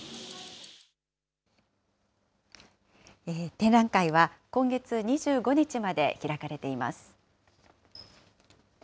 展覧会は、今月２５日まで開かれています。